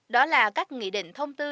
đó là các nghị định thông tư